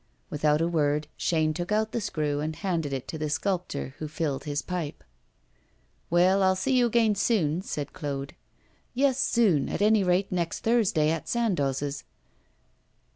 Without a word, Chaîne took out the screw and handed it to the sculptor, who filled his pipe. 'Well, I'll see you again soon,' said Claude. 'Yes, soon at any rate, next Thursday, at Sandoz's.